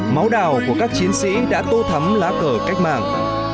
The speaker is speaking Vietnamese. máu đào của các chiến sĩ đã tô thắm lá cờ cách mạng